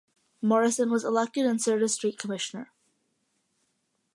Morrison was elected and served as street commissioner.